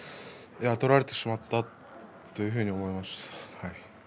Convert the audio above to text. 取られてしまったというふうに思いました。